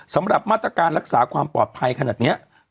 สำหรับมาตรการรักษาความปลอดภัยขนาดนี้